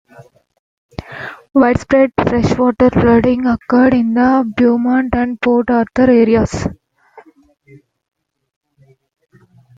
Widespread freshwater flooding occurred in the Beaumont and Port Arthur areas.